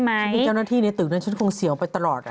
คุณพูดถูกคุณเจ้าหน้าที่นี่ตื่นนั้นฉันคงเสียวไปตลอด